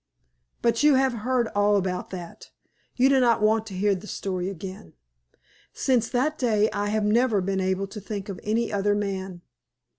But you have heard all about that, you do not want to hear the story again. Since that day I have never been able to think of any other man.